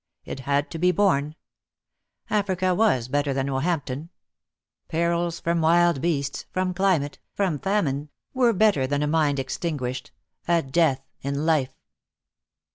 It had to be borne. Africa was better than Roehampton. Perils from savages, perils from wild beasts, from climate, from famine, were better than a mind extinguished, a death in life.